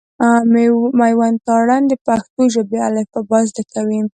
مېوند تارڼ د پښتو ژبي الفبا زده کوي.